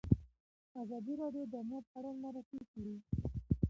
ازادي راډیو د امنیت اړوند مرکې کړي.